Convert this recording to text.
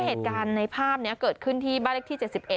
หลักฐานในภาพเนี่ยเกิดขึ้นที่บ้านที่๗๑